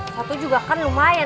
kamu baru tahu